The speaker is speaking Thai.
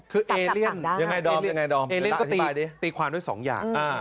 คือเอเลียนเอเลียนก็ตีความด้วยสองอย่าง